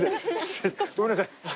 ごめんなさい。